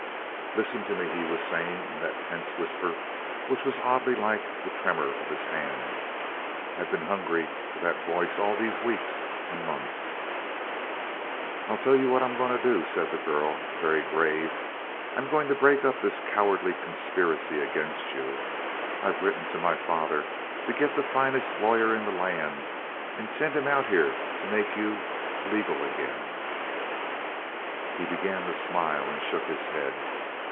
"Listen to me," he was saying in that tense whisper which was oddly like the tremor of his hand, "I've been hungry for that voice all these weeks and months." "I'll tell you what I'm going to do," said the girl, very grave. "I'm going to break up this cowardly conspiracy against you. I've written to my father to get the finest lawyer in the land and send him out here to make you legal again." He began to smile, and shook his head.